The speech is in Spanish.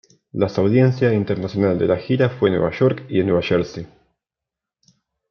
Las audiencia internacional de la gira fue en Nueva York y Nueva Jersey.